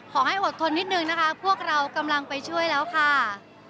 อดทนนิดนึงนะคะพวกเรากำลังไปช่วยแล้วค่ะ